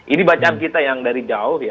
ini bacaan kita yang dari jauh ya